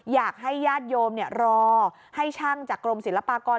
อยากให้ญาติโยมรอให้ช่างจากกรมศิลปากร